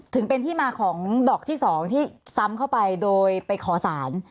ถึงเป็นที่มาของดอกที่๒ที่ซ้ำเข้าไปโดยไปขอสาร